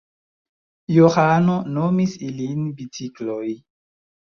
Johano nomis ilin bicikloj.